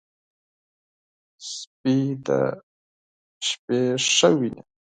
سپي د شپې ښه ویني.